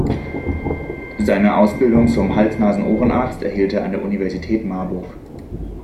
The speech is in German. Seine Ausbildung zum Hals-Nasen-Ohrenarzt erhielt er an der Universität Marburg.